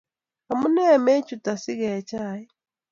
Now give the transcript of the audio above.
Amune mechut asi kee chaik?